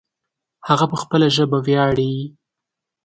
هغه په خپله ژبه ویاړې